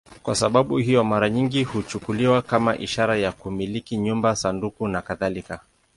Kwa sababu hiyo, mara nyingi huchukuliwa kama ishara ya kumiliki nyumba, sanduku nakadhalika.